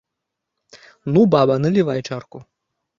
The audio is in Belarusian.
Ну, баба, налівай чарку.